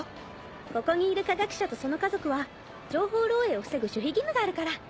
ここにいる科学者とその家族は情報漏洩を防ぐ守秘義務があるから。